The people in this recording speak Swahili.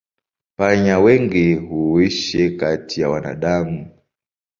Panya wengi huishi kati ya wanadamu.